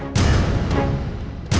tidak ada apa apa